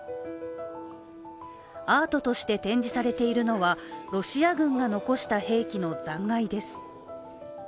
アートとして展示されているのはロシア軍が残した兵器の残骸です。